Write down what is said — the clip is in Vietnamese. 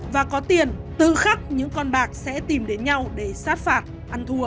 và có tiền tự khắc những con bạc sẽ tìm đến nhau để sát phạt ăn thua